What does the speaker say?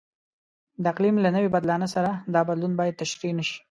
د اقلیم له نوي بدلانه سره دا بدلون باید تشریح نشي.